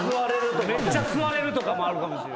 めっちゃ吸われるとかもあるかもしれん。